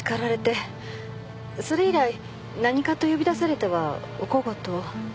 それ以来何かと呼び出されてはお小言を。